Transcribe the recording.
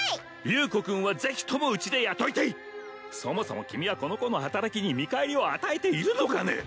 優子君はぜひともうちで雇いたいそもそも君はこの子の働きに見返りを与えているのかね！